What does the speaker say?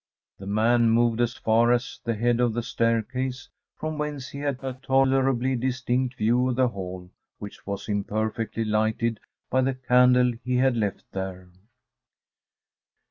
The man moved as far as the head of the staircase, from whence he had a tolerably distinct view of the hall, which was imperfectly lighted by the candle he had left there.